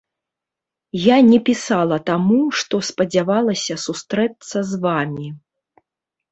Я не пісала таму, што спадзявалася сустрэцца з вамі.